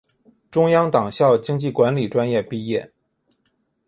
中央党校经济管理专业毕业。